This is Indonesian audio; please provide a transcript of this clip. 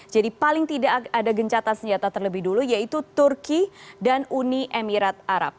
jadi paling tidak ada gencatan senjata terlebih dulu yaitu turki dan uni emirat arab